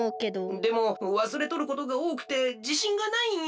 でもわすれとることがおおくてじしんがないんよ。